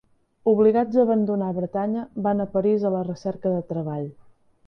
Obligats a abandonar Bretanya, van a París a la recerca de treball.